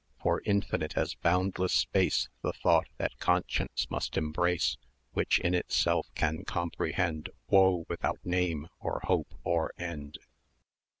For infinite as boundless space The thought that Conscience must embrace, Which in itself can comprehend Woe without name, or hope, or end.